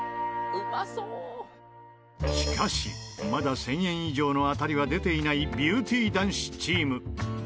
しかしまだ１０００円以上の当たりは出ていないビューティー男子チーム。